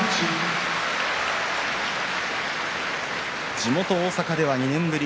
地元大阪では２年ぶり。